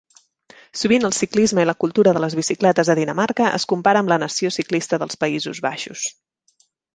Sovint el ciclisme i la cultura de les bicicletes a Dinamarca es compara amb la nació ciclista dels Països Baixos.